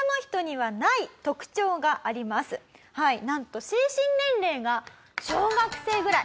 はいなんと精神年齢が小学生ぐらい。